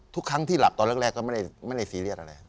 ทุกครั้งที่หลับตอนแรกก็ไม่ได้ซีเรียสอะไร